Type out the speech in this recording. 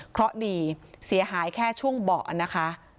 เพราะดีเสียหายแค่ช่วงเบาะนะคะ